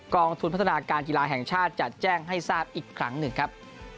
องทุนพัฒนาการกีฬาแห่งชาติจะแจ้งให้ทราบอีกครั้งหนึ่งครับ